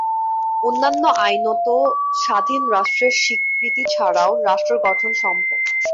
অন্যান্য আইনত স্বাধীন রাষ্ট্রের স্বীকৃতি ছাড়াও রাষ্ট্র গঠন সম্ভব।